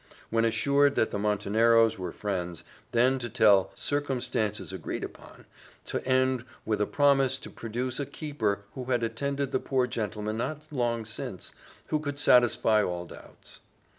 When assured that the Monteneros were friends, then to tell circumstances agreed upon to end with a promise to produce a keeper who had attended the poor gentleman not long since, who could satisfy all doubts.